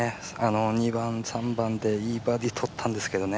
２番、３番でいいバーディー取ったんですけどね